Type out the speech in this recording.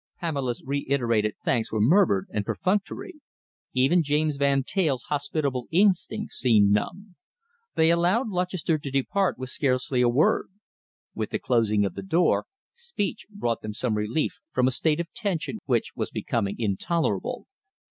Pamela's reiterated thanks were murmured and perfunctory. Even James Van Teyl's hospitable instincts seemed numbed. They allowed Lutchester to depart with scarcely a word. With the closing of the door, speech brought them some relief from a state of tension which was becoming intolerable.